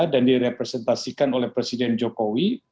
direpresentasikan oleh presiden jokowi